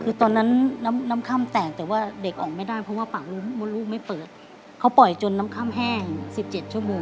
คือตอนนั้นน้ำค่ำแตกแต่ว่าเด็กออกไม่ได้เพราะว่าปากลูกไม่เปิดเขาปล่อยจนน้ำค่ำแห้ง๑๗ชั่วโมง